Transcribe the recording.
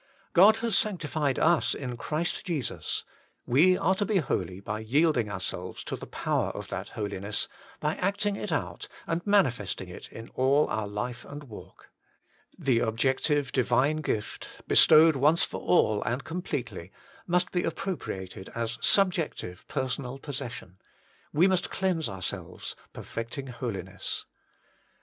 God has sanctified us in Christ Jesus: we are to be holy by yielding ourselves to the power of that holiness, by acting it out, and manifesting it in all our life and walk. The objec tive Divine gift, bestowed once for all and com pletely, must be appropriated as a subjective personal possession ; we must cleanse ourselves, perfecting holiness.